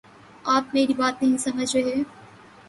آپ میری بات نہیں سمجھ رہے